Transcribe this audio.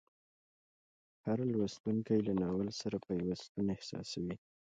هر لوستونکی له ناول سره پیوستون احساسوي.